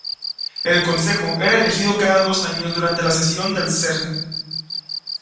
El consejo era elegido cada dos años durante la sesión del "Sejm".